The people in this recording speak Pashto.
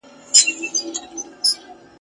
هغه د زده کوونکو په فعاليتونو خوښ سو.